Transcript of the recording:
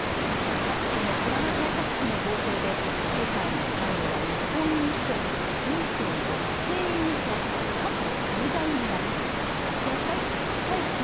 各国のコロナ対策費の膨張で世界の債務は日本円にして２．６京円と過去最大になりその対